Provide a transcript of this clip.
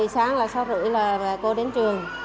sáng sáu rưỡi là cô đến trường